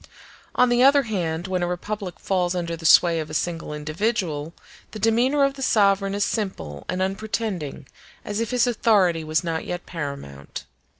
On the other hand, when a republic falls under the sway of a single individual, the demeanor of the sovereign is simple and unpretending, as if his authority was not yet paramount.